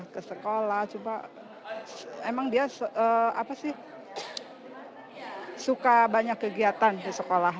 ke sekolah cuma emang dia apa sih suka banyak kegiatan di sekolah